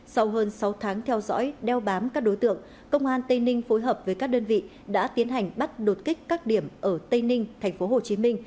sau hơn sáu tháng theo dõi đeo bám các đối tượng công an tây ninh phối hợp với các đơn vị đã tiến hành bắt đột kích các điểm ở tây ninh tp hcm